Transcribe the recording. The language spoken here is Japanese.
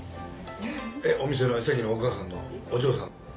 お店のさっきのお母さんのお嬢さん？